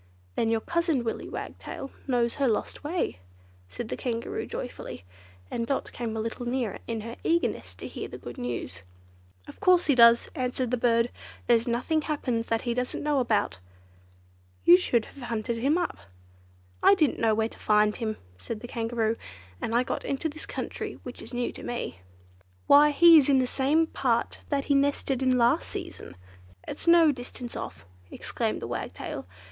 "Then your cousin, Willy Wagtail, knows her lost way," said the Kangaroo joyfully, and Dot came a little nearer in her eagerness to hear the good news. "Of course he does," answered the bird; "there's nothing happens that he doesn't know. You should have hunted him up." "I didn't know where to find him," said the Kangaroo, "and I got into this country, which is new to me." "Why he is in the same part that he nested in last season. It's no distance off," exclaimed the Wagtail.